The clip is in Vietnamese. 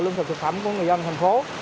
lương thực thực phẩm của người dân thành phố